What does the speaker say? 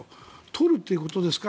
取るということですよ。